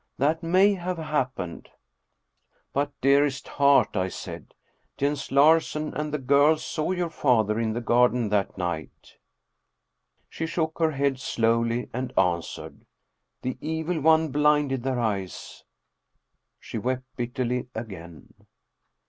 That may have happened "" But, dearest heart," I said, " Jens Larsen and the girl saw your father in the garden that night." 292 Steen Steensen Blicher She shook her head slowly and answered, " The evil one blinded their eyes." She wept bitterly again.